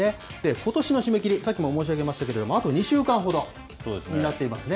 ことしの締め切り、さっきも申し上げましたけれども、あと２週間ほどになっていますね。